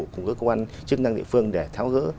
cùng các cơ quan chức năng địa phương để tháo gỡ